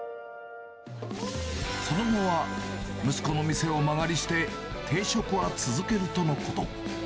その後は、息子の店を間借りして、定食は続けるとのこと。